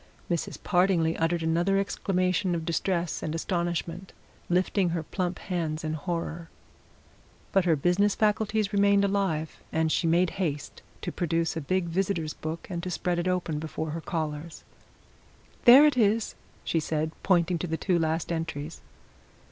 Mrs. Partingley uttered another exclamation of distress and astonishment, lifting her plump hands in horror. But her business faculties remained alive, and she made haste to produce a big visitors' book and to spread it open before her callers. "There it is!" she said, pointing to the two last entries.